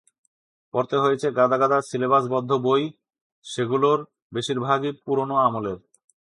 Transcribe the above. পড়তে হয়েছে গাদা গাদা সিলেবাসবদ্ধ বই, সেগুলোর বেশির ভাগই পুরোনো আমলের।